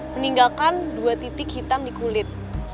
meninggalkan dua titik hitam di kulit